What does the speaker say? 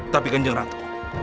tapi kanjeng ratu